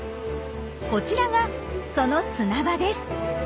こちらがその砂場です。